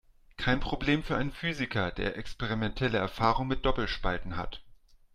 Kein Problem für einen Physiker, der experimentelle Erfahrung mit Doppelspalten hat.